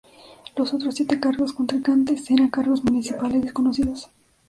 Los otros siete contrincantes eran cargos municipales desconocidos.